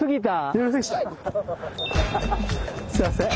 すいません。